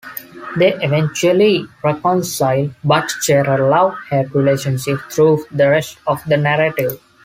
They eventually reconcile, but share a love-hate relationship through the rest of the narrative.